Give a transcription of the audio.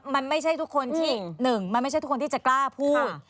มันไม่ใช่ทุกคนที่หนึ่งมันไม่ใช่ทุกคนที่จะกล้าพูด